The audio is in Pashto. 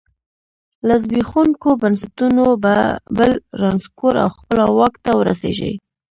له زبېښونکو بنسټونو بل رانسکور او خپله واک ته ورسېږي.